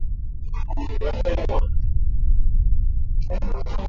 Maisha ya leo inakuwa ya kula na kuvala